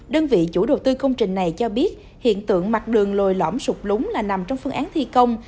đơn vị chủ đầu tư công trình này cho biết hiện tượng mặt đường lồi lõm sụt lúng là nằm trong phương án thi công